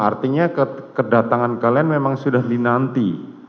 artinya kedatangan kalian memang sudah dinanti